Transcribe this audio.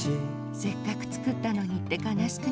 せっかく作ったのにってかなしくなるの。